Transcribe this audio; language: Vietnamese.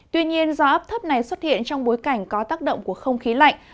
tuy nhiên do áp thấp này xuất hiện trong bối cảnh có tác động của không khí lạnh